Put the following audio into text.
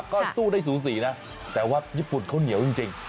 ก็สู้ได้สูสีนะแต่ว่าญี่ปุ่นเขาเหนียวจริง